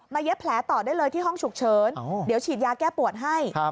เย็บแผลต่อได้เลยที่ห้องฉุกเฉินเดี๋ยวฉีดยาแก้ปวดให้